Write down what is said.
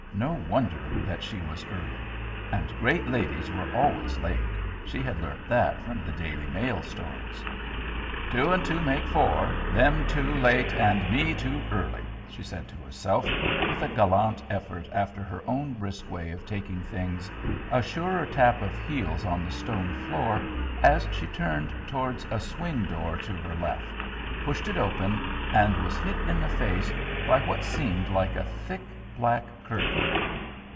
No wonder that she was early. And great ladies were always late: she had learnt that from the Daily Mail stories. "Two an' two make four them too late an' me too early!" she said to herself, with a gallant effort after her own brisk way of taking things, a surer tap of heels on the stone floor as she turned towards a swing door to her left; pushed it open, and was hit in the face by what seemed like a thick black curtain.